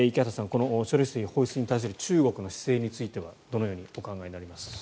この処理水放出に対する中国の姿勢についてはどのようにお考えですか？